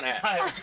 はい。